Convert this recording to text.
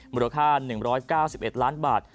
มูลค่า๑๙๑ล้านบาท